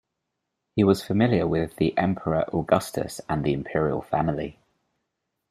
He was familiar with the emperor Augustus and the imperial family.